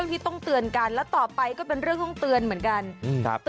วิทยาลัยศาสตร์อัศวิทยาลัยศาสตร์